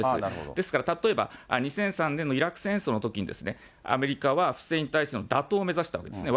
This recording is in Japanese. ですから、例えば２００３年のイラク戦争のときに、アメリカはフセイン体制の打倒を目指したわけですね。